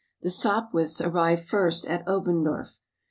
The Sopwiths arrived first at Oberndorf.